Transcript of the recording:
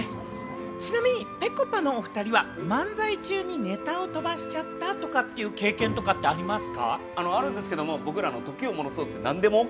ちなみに、ぺこぱのお二人は漫才中にネタを飛ばしちゃったとかっていう経験とかってありますか？